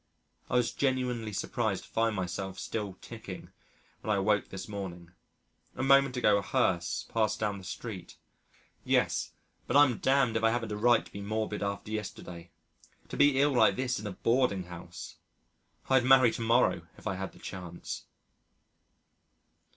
I was genuinely surprised to find myself still ticking when I awoke this morning. A moment ago a hearse passed down the street.... Yes, but I'm damned if I haven't a right to be morbid after yesterday. To be ill like this in a boarding house! I'd marry to morrow if I had the chance.